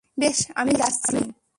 বেশ, আমি যাচ্ছি।